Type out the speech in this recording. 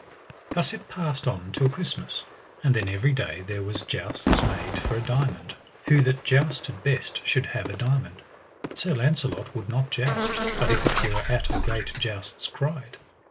Thus it passed on till Christmas, and then every day there was jousts made for a diamond, who that jousted best should have a diamond. But Sir Launcelot would not joust but if it were at a great jousts cried.